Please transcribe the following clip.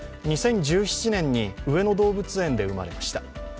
２０１７年に上野動物園で生まれました。